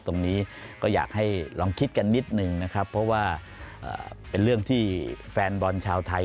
ตรงนี้ก็อยากให้ลองคิดกันนิดนึงนะครับเพราะว่าเป็นเรื่องที่แฟนบอลชาวไทย